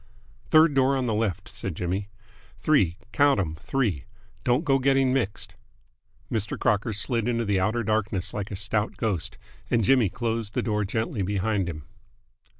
"Third door on the left," said Jimmy. "Three count 'em! three. Don't go getting mixed." Mr. Crocker slid into the outer darkness like a stout ghost, and Jimmy closed the door gently behind him.